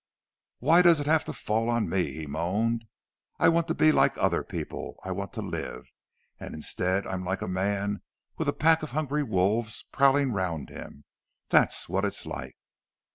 "Why does it all have to fall on me?" he moaned. "I want to be like other people—I want to live! And instead, I'm like a man with a pack of hungry wolves prowling round him—that's what it's like!